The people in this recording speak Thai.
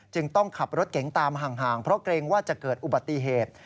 จึงต้องขับรถเก๋งตามห่างเพราะเกรงว่าจะเกิดอุบัติเหตุ